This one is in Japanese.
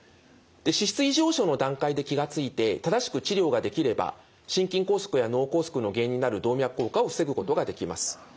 脂質異常症の段階で気が付いて正しく治療ができれば心筋梗塞や脳梗塞の原因になる動脈硬化を防ぐことができます。